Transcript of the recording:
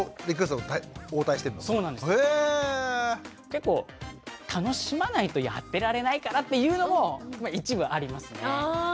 結構楽しまないとやってられないからっていうのもまあ一部ありますね。